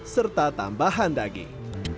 serta tambahan daging